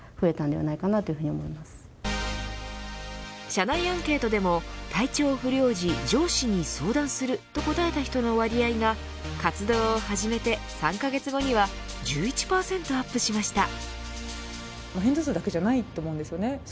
社内アンケートでも体調不良時上司に相談すると答えた人の割合が活動を始めて３カ月後には１１％アップしました。